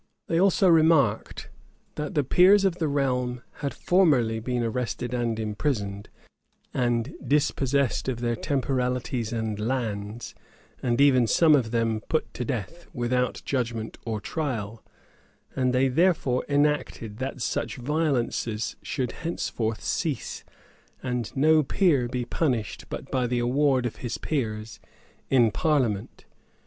They also remarked, that the peers of the realm had formerly been arrested and imprisoned, and dispossessed of their temporalities and lands, and even some of them put to death, without judgment or trial; and they therefore enacted that such violences should henceforth cease, and no peer be punished but by the award of his peers "in parliament."